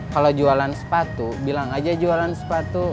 kalau jualan sepatu bilang aja jualan sepatu